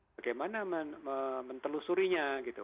bagaimana mentelusurinya gitu